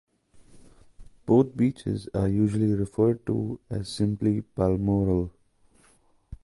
Both beaches are usually referred to as simply Balmoral.